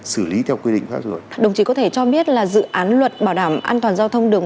xử lý theo quy định đồng chí có thể cho biết là dự án luật bảo đảm an toàn giao thông đường